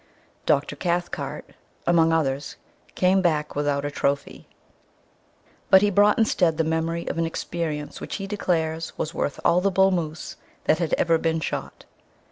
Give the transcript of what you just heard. Dr. Cathcart, among others, came back without a trophy; but he brought instead the memory of an experience which he declares was worth all the bull moose that had ever been shot.